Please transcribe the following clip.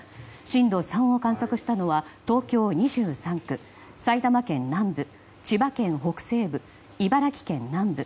震度３を観測したのは東京２３区埼玉県南部、千葉県北西部